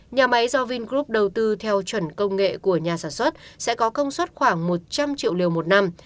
nhà máy do vingroup đầu tư theo chuẩn công nghệ của nhà sản xuất sẽ có công suất khoảng một trăm linh triệu liều một năm